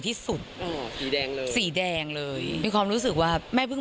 ที่สุดอ๋อสีแดงเลยสีแดงเลยมีความรู้สึกว่าแม่เพิ่ง